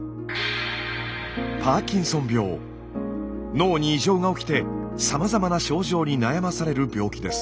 脳に異常が起きてさまざまな症状に悩まされる病気です。